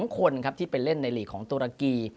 ๒คนที่เป็นเล่นในหลีกของโตรกี